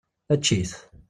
Ečč-it!